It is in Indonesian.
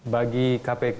bagaimana menurut bapak bapak